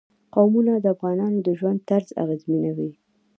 قومونه د افغانانو د ژوند طرز اغېزمنوي.